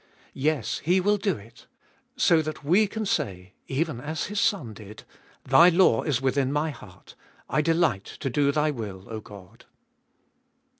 Yes, He will do it. So that we can say, even as His Son did, Thy law is within My heart ; I delight to do thy will, O God.